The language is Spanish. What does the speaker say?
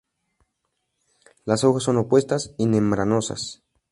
Las hojas son opuestas y membranosas.